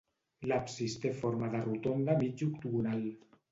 L'absis té forma de rotonda mig octogonal.